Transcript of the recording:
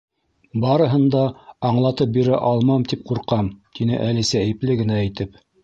— Барыһын да аңлатып бирә алмам тип ҡурҡам, — тине Әлисә ипле генә итеп.